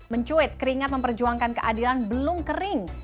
mencuit keringat memperjuangkan keadilan belum kering